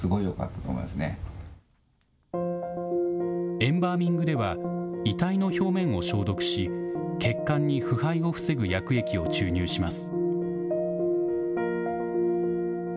エンバーミングでは、遺体の表面を消毒し、血管に腐敗を防ぐ薬液を注入します。